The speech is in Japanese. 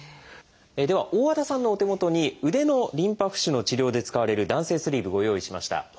では大和田さんのお手元に腕のリンパ浮腫の治療で使われる弾性スリーブご用意しました。